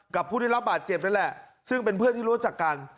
ผู้ได้รับบาดเจ็บนั่นแหละซึ่งเป็นเพื่อนที่รู้จักกัน